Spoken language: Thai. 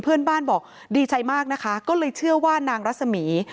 เพื่อนบ้านบอกดีใจมากนะคะก็เลยเชื่อว่านางรัศมี